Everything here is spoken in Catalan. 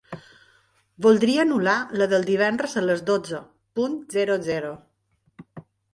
Voldria anul·lar la del divendres a les dotze punt zero zero.